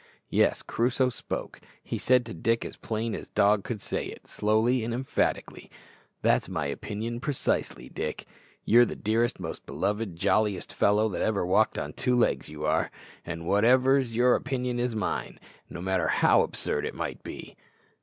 _ Yes, Crusoe spoke. He said to Dick as plain as dog could say it, slowly and emphatically, "That's my opinion precisely, Dick. You're the dearest, most beloved, jolliest fellow that ever walked on two legs, you are; and whatever's your opinion is mine, no matter how absurd it may be."